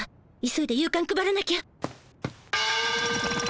急いで夕かん配らなきゃ。